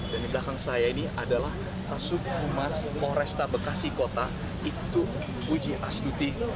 dan di belakang saya ini adalah kasub umas foresta bekasi kota ibtu puji astuti